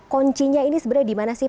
koncinya ini sebenarnya dimana sih